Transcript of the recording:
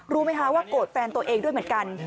รู้ไหมคะว่าโกรธแฟนตัวเองด้วยเหมือนกัน